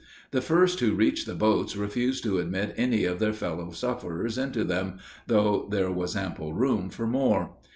The first who reached the boats refused to admit any of their fellow sufferers into them, though there was ample room for more.